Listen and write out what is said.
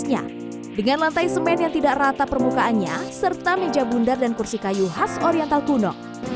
dengan lantai semen yang tidak rata permukaannya serta meja bundar dan kursi kayu khas oriental kuno